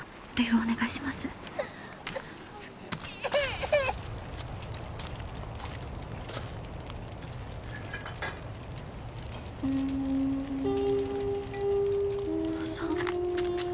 お父さん？